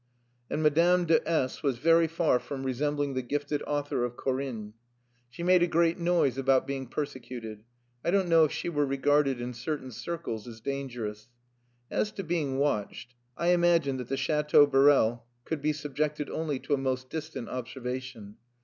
And Madame de S was very far from resembling the gifted author of Corinne. She made a great noise about being persecuted. I don't know if she were regarded in certain circles as dangerous. As to being watched, I imagine that the Chateau Borel could be subjected only to a most distant observation.